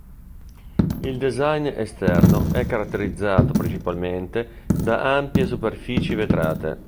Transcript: Il design esterno è caratterizzato principalmente da ampie superfici vetrate.